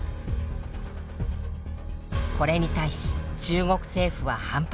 これに対し中国政府は反発。